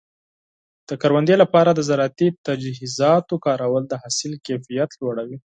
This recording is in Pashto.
د کروندې لپاره د زراعتي تجهیزاتو کارول د حاصل کیفیت لوړوي.